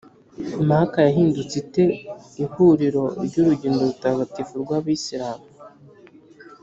maka yahindutse ite ihuriro ry’urugendo rutagatifu rw’abisilamu?